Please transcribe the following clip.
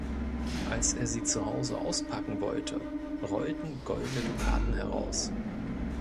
Als er sie zuhause auspacken wollte, rollten goldene Dukaten heraus.